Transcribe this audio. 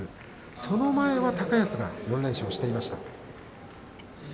その前は高安が４連勝していました。